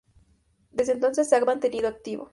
Desde entonces se ha mantenido activo.